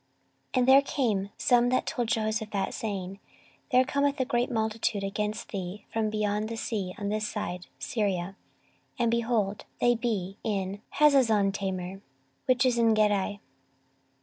14:020:002 Then there came some that told Jehoshaphat, saying, There cometh a great multitude against thee from beyond the sea on this side Syria; and, behold, they be in Hazazontamar, which is Engedi.